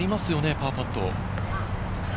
パーパット。